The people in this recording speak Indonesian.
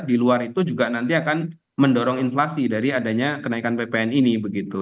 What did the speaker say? di luar itu juga nanti akan mendorong inflasi dari adanya kenaikan ppn ini begitu